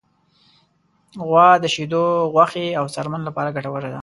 غوا د شیدو، غوښې، او څرمن لپاره ګټوره ده.